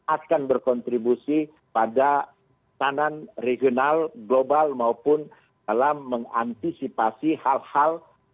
akan berkontribusi pada tanan regional global maupun dalam mengantisipasi hal hal